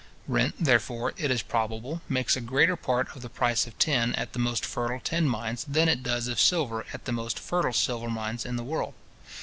Rent, therefore, it is probable, makes a greater part of the price of tin at the most fertile tin mines than it does of silver at the most fertile silver mines in the world.